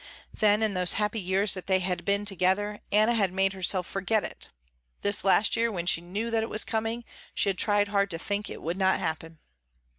Then in those happy years that they had been together, Anna had made herself forget it. This last year when she knew that it was coming she had tried hard to think it would not happen.